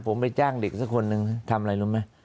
ผมไปจ้างเด็กสักคนหนึ่งทำอะไรรู้ไหม